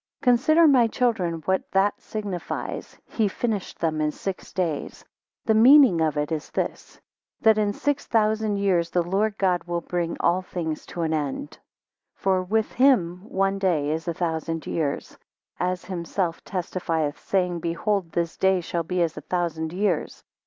4 Consider, my children, what that signifies, he finished them in six days. The meaning of it is this: that in six thousand years the Lord God will bring all things to an end. 5 For with him one day is a thousand years; as himself testifieth, saying, Behold this day shall be as a thousand years.